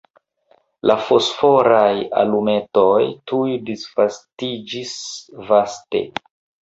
La fosforaj alumetoj tuj disvastiĝis vaste.